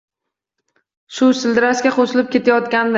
Suv shildirashiga qo‘shilib ketayotgandi.